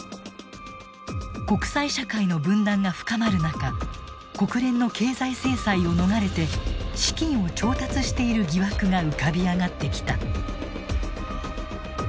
国際社会の分断が深まる中国連の経済制裁を逃れて資金を調達している疑惑が浮かび上がってきた。